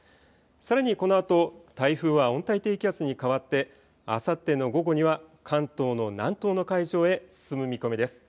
さらにこのあと台風は温帯低気圧に変わってあさっての午後には関東の南東の海上へ進む見込みです。